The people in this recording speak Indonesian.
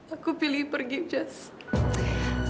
aku pilih pergi jess